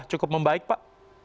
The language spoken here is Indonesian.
cukup membaik pak